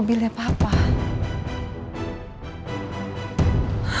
tidak ada apa apa